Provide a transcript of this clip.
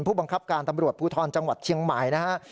ผู้บังคับการตำรวจภูทรจังหวัดเชียงใหม่นะฮะ